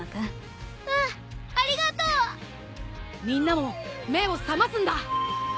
みんなも目を覚ますんだ！